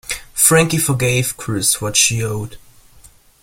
Frankie forgave Chris what she owed.